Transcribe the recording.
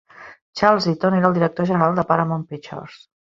Charles Eyton era el director general de Paramount Pictures.